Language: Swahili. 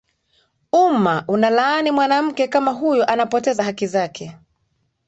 Umma unalaani mwanamke kama huyo anapoteza haki zake